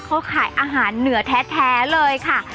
เขาขายอาหารเหนือแท้เลยค่ะ